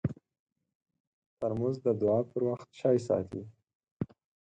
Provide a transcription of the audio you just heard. ترموز د دعا پر وخت چای ساتي.